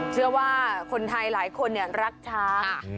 เชื่อว่าคนไทยหลายคนรักช้าง